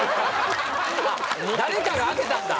誰かが空けたんだ。